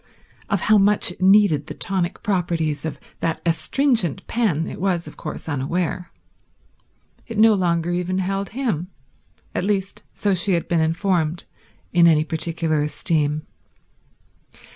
Of how much it needed the tonic properties of that astringent pen it was of course unaware. It no longer even held him—at least, so she had been informed—in any particular esteem.